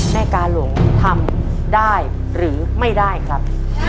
กาหลงทำได้หรือไม่ได้ครับ